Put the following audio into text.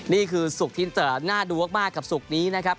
นี่คือสุขทิศจรรย์น่าดวกมากกับสุขนี้นะครับ